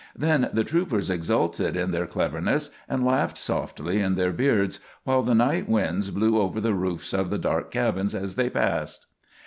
Then the troopers exulted in their cleverness, and laughed softly in their beards, while the night winds blew over the roofs of the dark cabins as they passed.